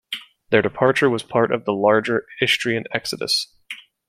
Their departure was part of the larger Istrian exodus.